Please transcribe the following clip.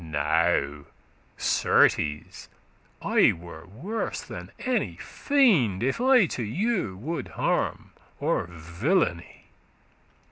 Now, certes, I were worse than any fiend, If I to you would harm or villainy.